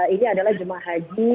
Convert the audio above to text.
ini adalah jemaah haji